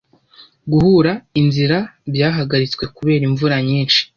Guhura inzira byahagaritswe kubera imvura nyinshi.